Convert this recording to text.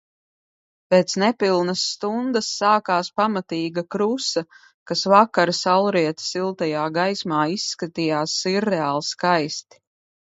Pēc nepilnas stundas sākās pamatīga krusa, kas vakara saulrieta siltajā gaismā izskatījās sirreāli skaisti.